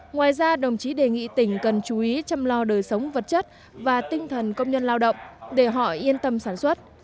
ngoài ra đồng chí đề nghị tỉnh cần chú ý chăm lo đời sống vật chất và tinh thần công nhân lao động để họ yên tâm sản xuất